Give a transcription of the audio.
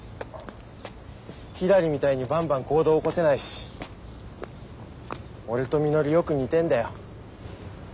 ひらりみたいにバンバン行動起こせないし俺とみのりよく似てんだよ。